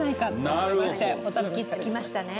行き着きましたね。